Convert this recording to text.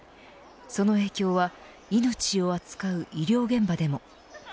その影響は命を扱う医療現場でも。